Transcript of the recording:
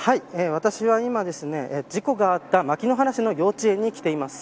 私は今、事故があった牧之原市の幼稚園に来ています。